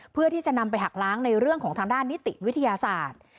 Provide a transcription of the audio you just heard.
เพื่อที่จะนำไปหักล้างในเรื่องของทางด้านนิติวิทยาศาสตร์